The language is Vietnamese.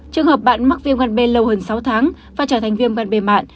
trường hợp bạn mắc viêm gan b lâu hơn sáu tháng và trở thành viêm gan b mạn